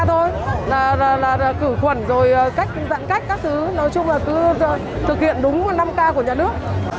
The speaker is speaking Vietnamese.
nói chung là cứ thực hiện đúng năm k của nhà nước